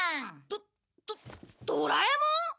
ドドドラえもん！？